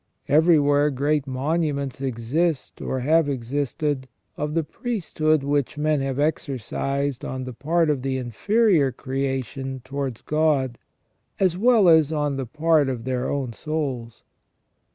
Everywhere great monuments exist, or have existed, of the priesthood which men have exercised on the part of the inferior creation towards God, as well as on the part of their own souls.